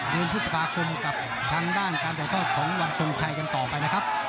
เดือนพฤษภาคมกับทางด้านการถ่ายทอดของวันทรงชัยกันต่อไปนะครับ